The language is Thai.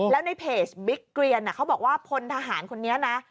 แล้วในเพจบิ๊กเกรียนเขาบอกว่าพลทหารคนนี้นะ